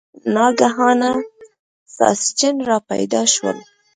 ناګهانه ساسچن را پیدا شول.